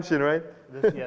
ini scene kejahatan